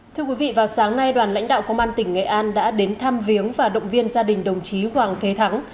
thưa quý vị vào sáng nay đoàn lãnh đạo công an tỉnh nghệ an đã đến tham viếng và động viên gia đình đồng chí hoàng thế thắng